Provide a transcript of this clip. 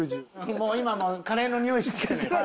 もう今もカレーのにおいしかしてない。